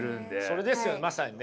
それですよまさにね。